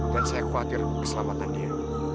dan saya khawatir keselamatan dia